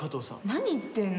何言ってんの？